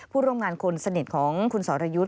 ผู้ร่วมงานคนสนิทของคุณสรยุทธ์